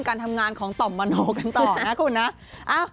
การทำงานของต่อมมโนกันต่อนะคุณนะ